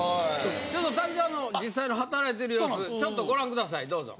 ちょっと滝沢の実際働いてる様子ちょっとご覧くださいどうぞ。